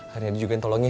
heria juga yang tolongnya